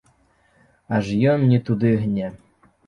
Аж ён не туды гне.